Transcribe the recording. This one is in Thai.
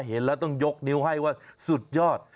เห็นแล้วต้องยกนิ้วให้ว่าสุดยอด